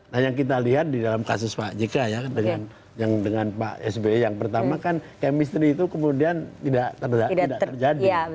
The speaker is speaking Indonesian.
nah yang kita lihat di dalam kasus pak jk ya kan dengan pak sby yang pertama kan chemistry itu kemudian tidak terjadi